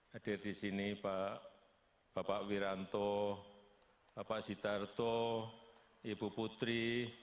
hadir di sini pak bapak wiranto bapak sitarto ibu putri